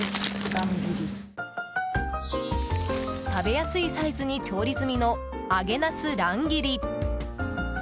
食べやすいサイズに調理済みの揚げなす乱切りです。